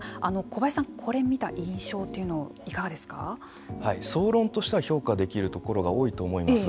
小林さん、これを見た印象は総論としては評価できるところが多いと思います。